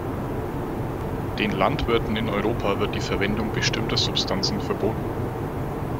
Den Landwirten in Europa wird die Verwendung bestimmter Substanzen verboten.